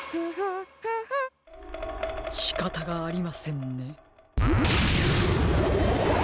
しかたがありませんね。